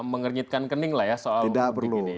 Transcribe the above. mengernyitkan kening lah ya soal mudik ini